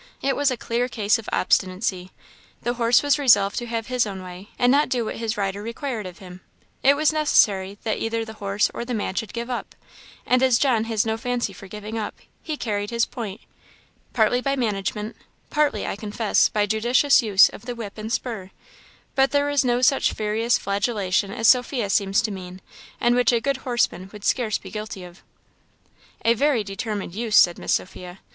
It was a clear case of obstinacy. The horse was resolved to have his own way, and not do what his rider required of him; it was necessary that either the horse or the man should give up; and as John has no fancy for giving up, he carried his point partly by management, partly, I confess, by a judicious use of the whip and spur; but there was no such furious flagellation as Sophia seems to mean, and which a good horse man would scarce be guilty of." "A very determined 'use,' " said Miss Sophia.